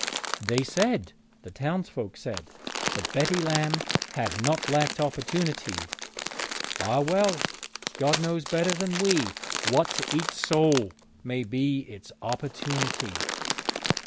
They said (the townsfolk said) that Betty Lamb had not lacked opportunity. Ah well, God knows better than we what to each soul may be its opportunity.